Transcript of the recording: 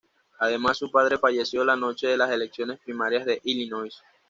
Además su padre falleció la noche de las elecciones primarias de Illinois.